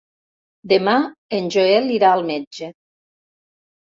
Demà en Joel irà al metge.